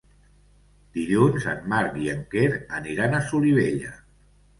Dilluns en Marc i en Quer aniran a Solivella.